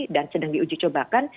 dan sedang diuji cobakan